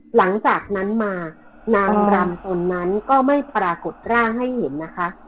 หลังจากนั้นมานางรำตนนั้นก็ไม่ปรากฏร่างให้เห็นนะคะ